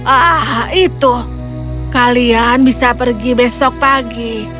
ah itu kalian bisa pergi besok pagi